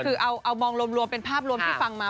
คือเอามองรวมเป็นภาพรวมที่ฟังมา